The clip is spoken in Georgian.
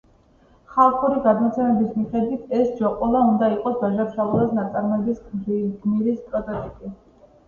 ხალხური გადმოცემების მიხედვით, ეს ჯოყოლა უნდა იყოს ვაჟა-ფშაველას ნაწარმოების გმირის პროტოტიპი.